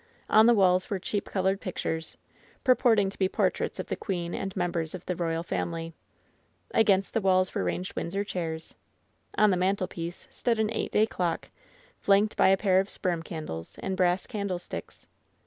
On the walls were cheap colored pictures, purporting to be portraits of the queen and members of the royal family. Against the walls were ranged Windsor chairs. On the mantel piece stood an eight day clock, flanked by a pair of sperm candles, in brass candlesticks.